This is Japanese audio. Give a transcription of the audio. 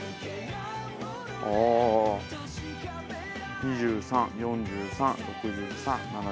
２３４３６３７３。